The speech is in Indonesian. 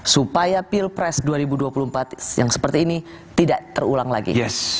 supaya pilpres dua ribu dua puluh empat yang seperti ini tidak terulang lagi